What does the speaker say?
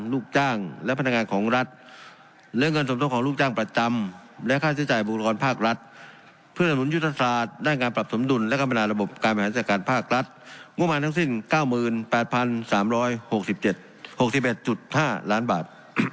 ลูกจ้างและพนักงานของรัฐเรียนเงินสมทมของลูกจ้างประจำและค่าเศรษฐ์จ่ายบุรกรภาครัฐเพื่อหนุนยุทธศาสตร์ได้การปรับสมดุลและกรรมนาระบบการมหัศจรรย์การภาครัฐง่วมมาทั้งสิ้นเก้าหมื่นแปดพันสามร้อยหกสิบเจ็ดหกสิบเอ็ดจุดห้าล้านบาท